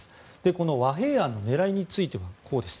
この和平案の狙いについてはこうです。